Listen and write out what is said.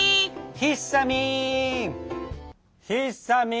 ひさみん。